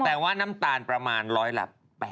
แต่ว่าน้ำตาลประมาณร้อยละ๘๐